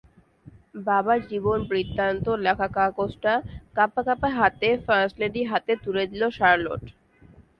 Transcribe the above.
বাবার জীবনবৃত্তান্ত লেখা কাগজটা কাঁপা কাঁপা হাতে ফার্স্টলেডির হাতে তুলে দিল শার্লোট।